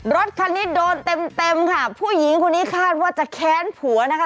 รถคันนี้โดนเต็มเต็มค่ะผู้หญิงคนนี้คาดว่าจะแค้นผัวนะคะ